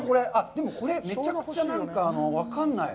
でも、これ、めちゃくちゃ分かんない。